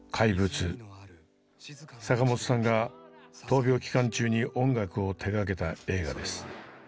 坂本さんが闘病期間中に音楽を手がけた映画です。